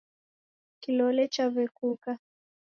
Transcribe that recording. Kilole chaw'ekuka.